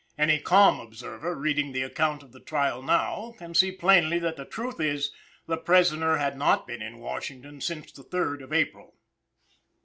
Any calm observer, reading the account of the trial now, can see plainly that the truth is, the prisoner had not been in Washington since the 3rd of April.